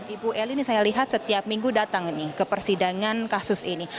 ibu eli ini saya lihat setiap minggu datang nih ke persidangan kasus ini